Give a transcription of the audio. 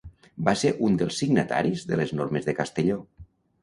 Va ser un dels signataris de les Normes de Castelló.